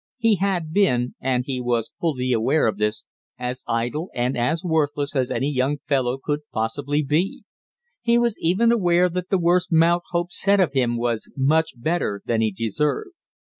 He had been and he was fully aware of this as idle and as worthless as any young fellow could possibly be; he was even aware that the worst Mount Hope said of him was much better than he deserved.